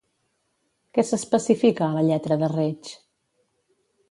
Què s'especifica a la lletra de Reig?